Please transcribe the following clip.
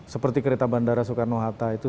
seperti kereta bandara soekarno hatta itu